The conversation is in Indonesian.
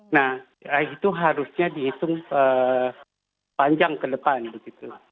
nah itu harusnya dihitung panjang ke depan begitu